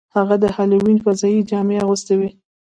هغه د هالووین فضايي جامې اغوستې وې